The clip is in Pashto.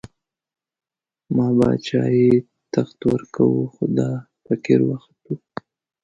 ما باچايي، تخت ورکوو، خو دا فقير وختو